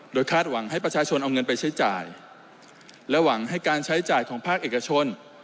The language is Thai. โดยคาดหวังให้ประชาชนเอาเงินไปใช้จ่ายและหวังให้การใช้จ่ายของภาคเอกชน